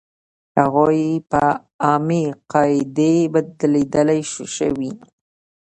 هغوی په عامې قاعدې بدلېدلی شوې.